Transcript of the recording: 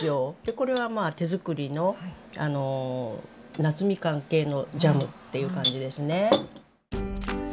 これは手づくりの夏みかん系のジャムっていう感じですね。